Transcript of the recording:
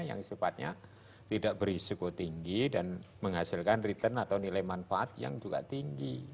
yang sifatnya tidak berisiko tinggi dan menghasilkan return atau nilai manfaat yang juga tinggi